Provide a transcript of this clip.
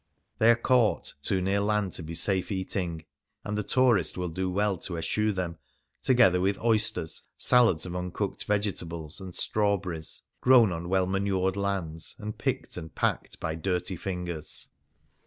They are caught too near land to be safe eating ; and the tourist will do well to eschew them, together with oysters, salads of uncooked vegetables, and strawberries — grown on well manured lands, and picked and packed by dirty fingers.